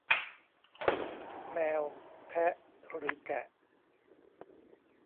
แมว แพะ หรือแกะ